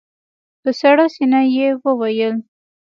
په سړه سينه يې وويل.